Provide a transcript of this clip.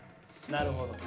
なるほど。